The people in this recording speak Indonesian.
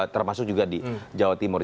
termasuk juga di jawa timur